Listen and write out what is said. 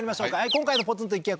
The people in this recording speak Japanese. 今回のポツンと一軒家